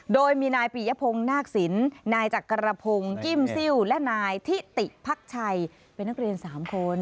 โดยมีนายปียพงศ์นาคสินนายจักรพงศ์กิ้มซิลและนายทิติพักชัยเป็นนักเรียน๓คน